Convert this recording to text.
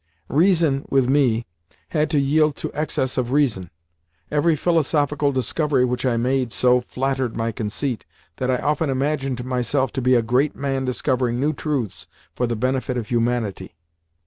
Reason, with me, had to yield to excess of reason. Every philosophical discovery which I made so flattered my conceit that I often imagined myself to be a great man discovering new truths for the benefit of humanity.